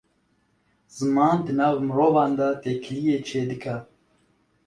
Ziman, di nav mirovan de têkiliyê çê dike